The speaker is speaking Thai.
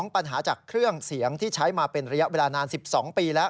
ปัญหาจากเครื่องเสียงที่ใช้มาเป็นระยะเวลานาน๑๒ปีแล้ว